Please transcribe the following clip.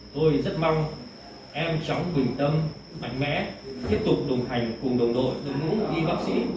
tôi rất mong em chóng bình tâm mạnh mẽ tiếp tục đồng hành cùng đồng đội đồng hữu y bác sĩ